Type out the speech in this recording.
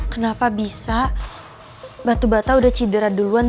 kenapa bisa batu bata udah cedera duluan